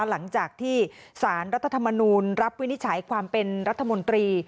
หลังจากที่สารรัฐธรรมนูลรับวินิจฉัยความเป็นรัฐมนตรี